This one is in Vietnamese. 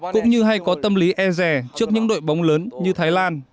cũng như hay có tâm lý e rè trước những đội bóng lớn như thái lan